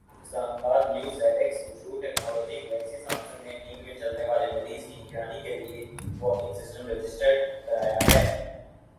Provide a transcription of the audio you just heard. اسلام آبادنیو زڈیسک مشہور ٹیکنالوجی گلیکسی سامسنگ نے نیند میں چلنے والے مریض کی نگرانی کیلئے والکنگ سسٹم رجسٹرڈ کرایا ہے